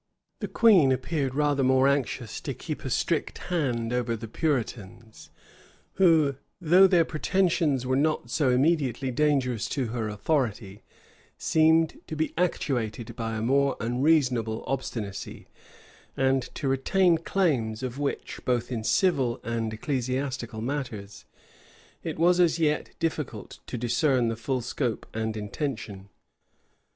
The queen appeared rather more anxious to keep a strict hand over the Puritans; who, though their pretensions were not so immediately dangerous to her authority, seemed to be actuated by a more unreasonable obstinacy, and to retain claims, of which, both in civil and ecclesiastical matters, it was as yet difficult to discern the full scope and intention.